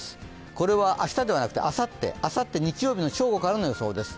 これは明日ではなくてあさって日曜日の正午からの予想です。